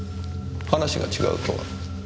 「話が違う」とは？